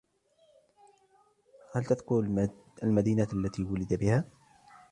هل تذكر المدينة الذي ولد بها ؟